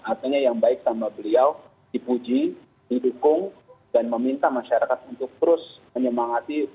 artinya yang baik sama beliau dipuji didukung dan meminta masyarakat untuk terus menyemangati